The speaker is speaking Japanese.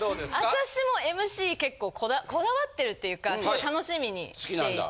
私もＭＣ結構こだわってるっていうかすごい楽しみにしていて。